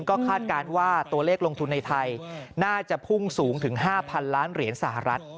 ก็คาดการณ์ว่าตัวเลขลงทุนในไทยน่าจะพุ่งสูงถึง๕๐๐๐ล้านเหรียญสหรัฐ